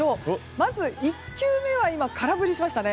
まず、１球目は空振りしましたね。